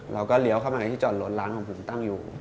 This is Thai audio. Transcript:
เลี้ยวเข้ามาในที่จอดรถร้านของผมตั้งอยู่